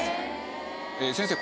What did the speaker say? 先生